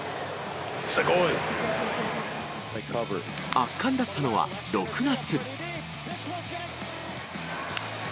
圧巻だったのは、６月。